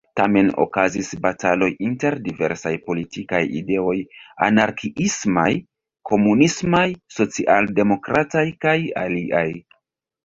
Tamen okazis bataloj inter diversaj politikaj ideoj, anarkiismaj, komunismaj, socialdemokrataj kaj aliaj.